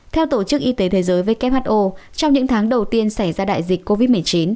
theo tổ chức y tế thế giới who trong những tháng đầu tiên xảy ra đại dịch covid một mươi chín